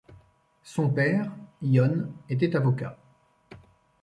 Son père, Ion, était avocat.